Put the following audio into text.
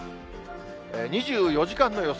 ２４時間の予想